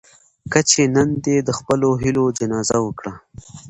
کچې نن دې د خپلو هيلو جنازه وکړه.